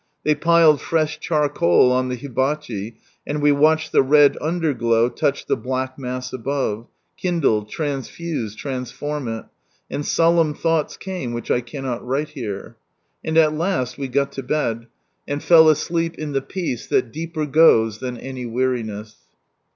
They piled fresh charcoal on the hibachi, and we watched the red underglow touch the black mass above— kindle, transfuse, transform it — and solemn thoughts came which I cannot write here. And at last we got to bed, and fell asleep in the peace that deeper goes than any weariness.